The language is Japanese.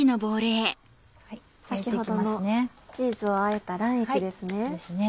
先ほどのチーズをあえた卵液ですね。